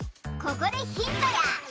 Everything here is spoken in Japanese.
ここでヒントや！